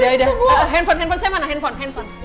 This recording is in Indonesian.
ya udah ya udah handphone handphone saya mana handphone handphone